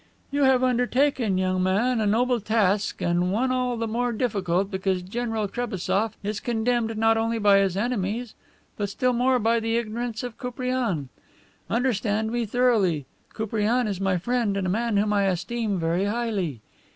"You have undertaken, young man, a noble task and one all the more difficult because General Trebassof is condemned not only by his enemies but still more by the ignorance of Koupriane. Understand me thoroughly: Koupriane is my friend and a man whom I esteem very highly.